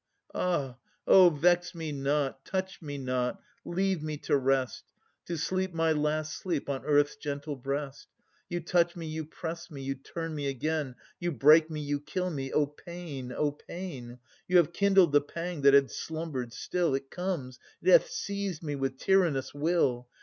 ah! O vex me not, touch me not, leave me to rest, To sleep my last sleep on Earth's gentle breast. You touch me, you press me, you turn me again, You break me, you kill me! O pain! O pain! You have kindled the pang that had slumbered still. It comes, it hath seized me with tyrannous will!